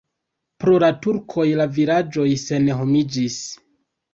Pro la turkoj la vilaĝoj senhomiĝis.